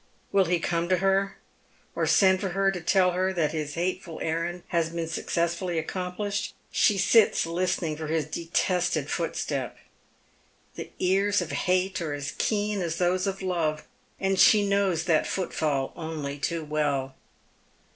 Will he come to her, or send for her to tell her that his 264 Dead Men's Shoes. hateful errand has been successfully accomplished? She Bits listening for his detested footstep. The ears of hate are as keen as those of love, and she knows that footfall only too well.